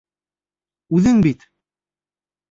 — Үҙең бит...